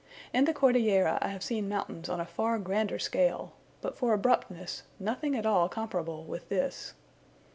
In the Cordillera I have seen mountains on a far grander scale, but for abruptness, nothing at all comparable with this.